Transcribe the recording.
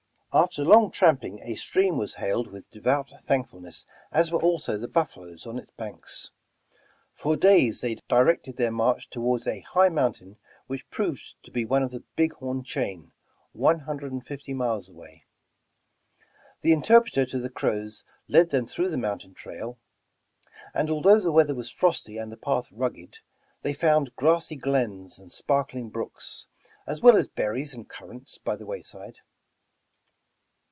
After long tramp ing, a stream was hailed with devout thankfulness as were also the buffaloes on its banks. For days they directed their march toward a high mountain which proved to be one of the Big Horn chain, one hundred and fifty miles away. The interpreter to the Crows led them through the mountain trail, and although the weather was frosty and the path rugged, they found grassy glens and sparkling biooks, as well as berries and currants by the wayside.